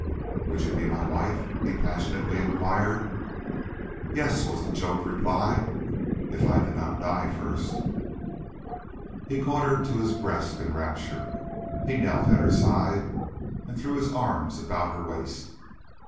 "Would you be my wife?" he passionately inquired. "Yes," was the choked reply; "if I did not die first." He caught her to his breast in rapture. He knelt at her side and threw his arms about her waist.